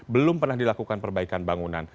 belum pernah dilakukan perbaikan bangunan